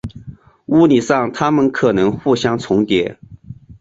物理上它们可能互相重叠。